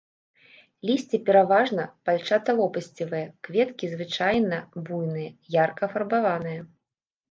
Лісце пераважна пальчаталопасцевае, кветкі звычайна буйныя, ярка афарбаваныя.